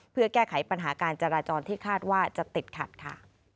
เพื่อแก้ไขปัญหาการจราจรที่คาดว่าจะติดขัดค่ะ